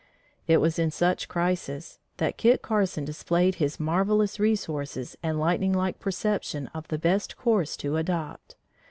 It was in such crises that Kit Carson displayed his marvelous resources and lightning like perception of the best course to adopt.